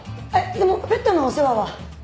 でもペットのお世話は。